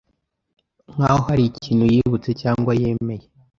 nk’ aho hari ikintu yibutse cyangwa yemeye